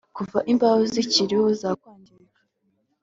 Kuva imbaho zikiriho zakwangirika